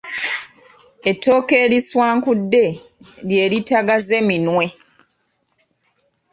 Ettooke eriswankudde lye liritagezze minwe.